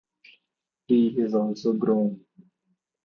Tea is also grown.